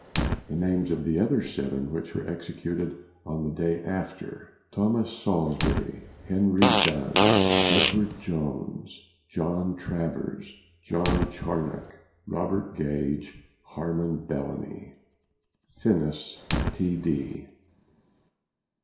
The names of the other vii which were executed on the next day after. Thomas Salsbury. Henry Dun. Edward Jhones. John Travers. John Charnock. Robert Gage. Harman Bellamy. Finis. T.D.